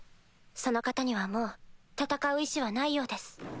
その方にはもう戦う意思はないようです。